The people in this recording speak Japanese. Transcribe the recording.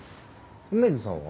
梅津さんは？